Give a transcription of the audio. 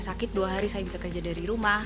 sakit dua hari saya bisa kerja dari rumah